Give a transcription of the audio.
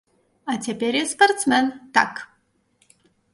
А цяпер я спартсмен, так!!!